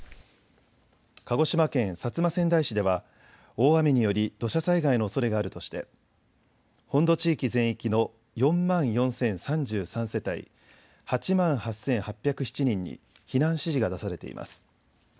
鹿児島県薩摩川内市では大雨により土砂災害のおそれがあるとして本土地域全域の４万４０３３世帯、８万８８０７人に避難指示が出されています。